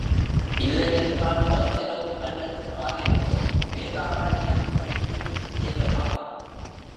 இல்லை என்றால் பஸ்ஸிலோ அல்லது காரிலோ வேதாரண்யம் சென்று சேரலாம்.